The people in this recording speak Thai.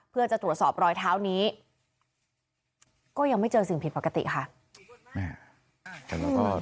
เพื่อจะตรวจสอบรอยเท้านี้ก็ยังไม่เจอสิ่งผิดปกติค่ะ